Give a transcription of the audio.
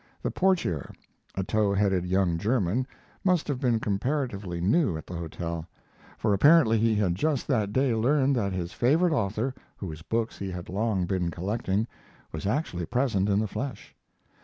The portier, a tow headed young German, must have been comparatively new at the hotel; for apparently he had just that day learned that his favorite author, whose books he had long been collecting, was actually present in the flesh.